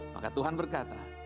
maka tuhan berkata